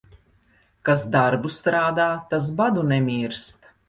Kas darbu strādā, tas badu nemirst.